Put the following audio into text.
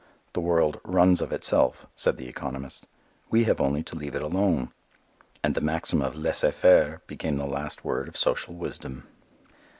The world "runs of itself," said the economist. We have only to leave it alone. And the maxim of laissez faire became the last word of social wisdom.